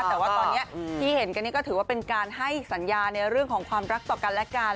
แต่ว่าตอนนี้ที่เห็นกันนี่ก็ถือว่าเป็นการให้สัญญาในเรื่องของความรักต่อกันและกัน